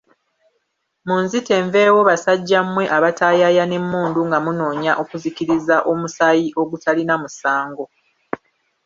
Munzite nveewo basajja mmwe abataayaaya n’emmundu nga munoonya okuzikiriza omusaayi ogutalina musango.